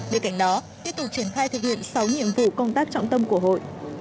để cảnh đó tiếp tục triển khai thực hiện sáu nhiệm vụ công tác trọng tâm của hội